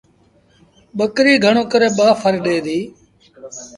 ٻڪريٚ گھڻوݩ ڪري ٻآ ڦر ڏي ديٚ۔